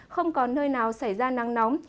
không còn nơi nào xảy ra nắng nóng